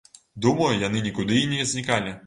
Думаю, яны нікуды і не знікалі.